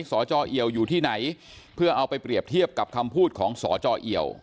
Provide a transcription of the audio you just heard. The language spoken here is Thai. สจเอียวอยู่ที่ไหนเพื่อเอาไปเปรียบเทียบกับคำพูดของสจเอียว